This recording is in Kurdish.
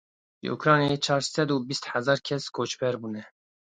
Ji Ukraynayê çar sed û bîst hezar kes koçber bûne.